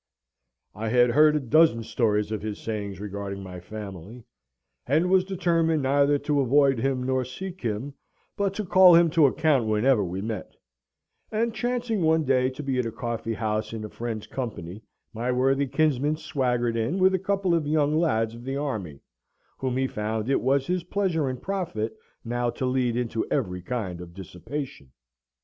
I had heard a dozen stories of his sayings regarding my family, and was determined neither to avoid him nor seek him; but to call him to account whensoever we met; and, chancing one day to be at a coffee house in a friend's company, my worthy kinsman swaggered in with a couple of young lads of the army, whom he found it was his pleasure and profit now to lead into every kind of dissipation.